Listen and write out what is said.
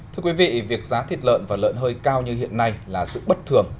thưa quý vị việc giá thịt lợn và lợn hơi cao như hiện nay là sự bất thường